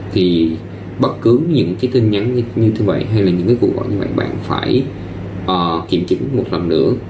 thì bất cứ những cái tin nhắn như vậy hay là những cái cuộc gọi như vậy bạn phải kiểm chứng một lần nữa